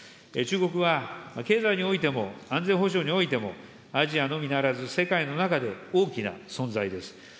中国は、経済においても、安全保障においても、アジアのみならず、世界の中で大きな存在です。